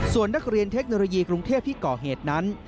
ส่วนนักเรียนเทคโนโลยีกรุงเทพที่ก่อเหตุนั้น